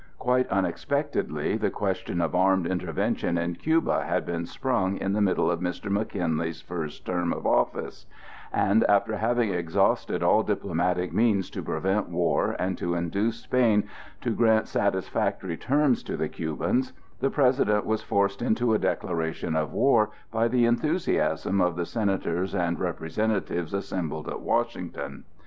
Quite unexpectedly the question of armed intervention in Cuba had been sprung in the middle of Mr. McKinley's first term of office, and after having exhausted all diplomatic means to prevent war and to induce Spain to grant satisfactory terms to the Cubans, the President was forced into a declaration of war by the enthusiasm of the Senators and Representatives assembled at Washington.